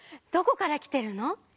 どこからきてるの？